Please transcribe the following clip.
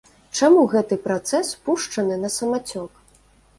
Чаму гэты працэс пушчаны на самацёк?